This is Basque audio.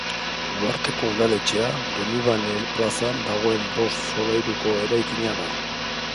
Uharteko udaletxea Donibane plazan dagoen bost solairuko eraikina da.